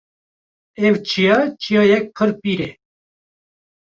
Ev çiya çiyakek pir pîr e